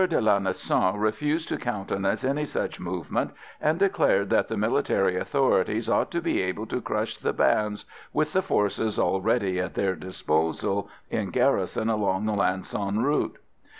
de Lanessan refused to countenance any such movement, and declared that the military authorities ought to be able to crush the bands with the forces already at their disposal, in garrison along the Lang son route.